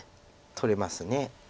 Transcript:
取れます。